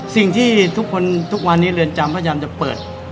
สิ่งที่ทุกคนทุกวันนี้เรือนจำพยายามจะเปิด